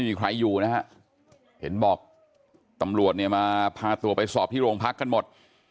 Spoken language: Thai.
มีใครอยู่นะฮะเห็นบอกตำรวจเนี่ยมาพาตัวไปสอบที่โรงพักกันหมด